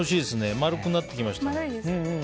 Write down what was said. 丸くなってきました。